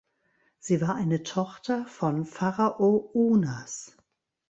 Sie war eine Tochter von Pharao Unas.